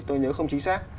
tôi nhớ không chính xác